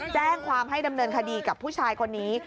แจ้งความให้ดำเนินคดีกับผู้ชายคนนี้